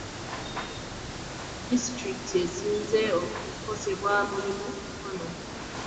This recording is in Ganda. Disitulikiti ezisinze okukosebwa mulimu: Mukono, Kayunga, Buikwe, Mpigi ne Butambala.